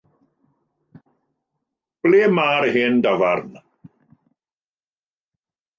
Ble mae'r hen dafarn?